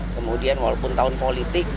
kemudian walaupun tahun politik